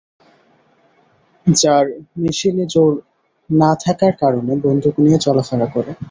যার মেশিনে জোর না থাকার কারণে বন্দুক নিয়ে চলাফেরা করে।